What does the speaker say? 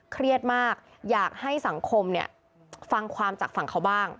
เครียดมากอยากให้สังคมฟังความจากฝั่งเขาบ้าง